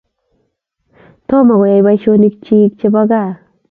tomo koyai boisonik chin jebo kaa.